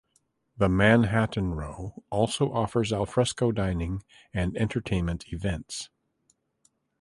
The Manhattan Row also offers al fresco dining and entertainment events.